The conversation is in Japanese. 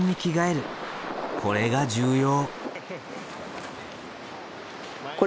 これが重要。